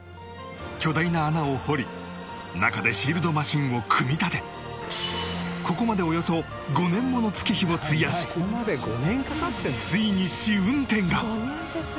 巨大な穴を掘り中でシールドマシンを組み立てここまでおよそ５年もの月日を費やしついに試運転が！